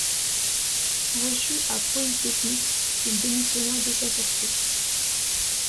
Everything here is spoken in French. Reçu à Polytechnique, il démissionna dès sa sortie.